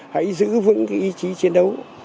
hãy giữ vững ý chí chiến đấu